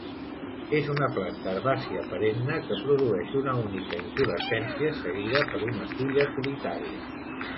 És una planta herbàcia perenne que produeix una única inflorescència seguida per una fulla solitària.